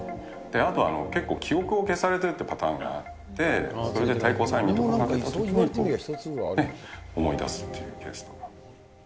あと、結構記憶を消されてるっていうパターンがあって、それで退行催眠とかをかけたときに、思い出すっていうケースがある。